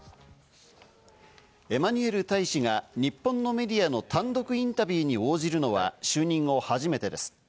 エマニュエル大使が日本のメディアの単独インタビューに応じるのは就任後初めてです。